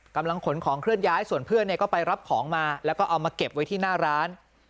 ขนของเคลื่อนย้ายส่วนเพื่อนก็ไปรับของมาแล้วก็เอามาเก็บไว้ที่หน้าร้าน